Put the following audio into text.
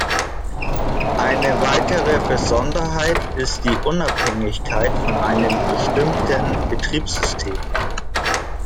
Eine weitere Besonderheit ist die Unabhängigkeit von einem bestimmten Betriebssystem.